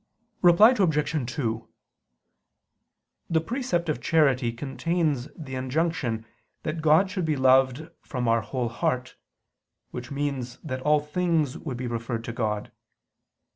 Reply Obj. 2: The precept of charity contains the injunction that God should be loved from our whole heart, which means that all things would be referred to God.